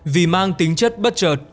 vì mang tính chất bất trợt